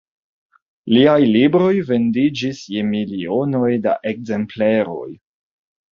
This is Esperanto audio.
Liaj libroj vendiĝis je milionoj da ekzempleroj.